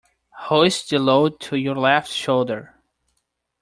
Hoist the load to your left shoulder.